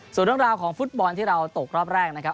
ส่วนเรื่องราวของฟุตบอลที่เราตกรอบแรกนะครับ